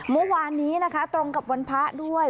เมื่อวานนี้นะคะตรงกับวันพระด้วย